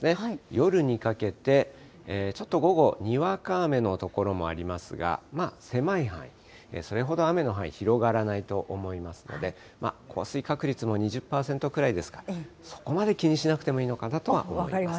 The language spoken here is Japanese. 夜にかけて、ちょっと午後、にわか雨の所もありますが、まあ、狭い範囲、それほど雨の範囲、広がらないと思いますので、降水確率も２０％くらいですか、そこまで気にしなくてもいいのか分かりました。